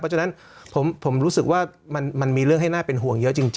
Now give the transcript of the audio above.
เพราะฉะนั้นผมรู้สึกว่ามันมีเรื่องให้น่าเป็นห่วงเยอะจริง